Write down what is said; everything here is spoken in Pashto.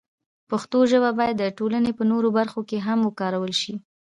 پښتو ژبه باید د ټولنې په نورو برخو کې هم وکارول شي.